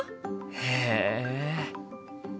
へえ。